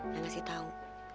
yang ngasih tau